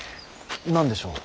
何でしょう。